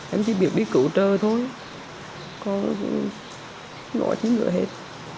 em chỉ biết đi cứu trợ thôi còn nói chứ không biết hết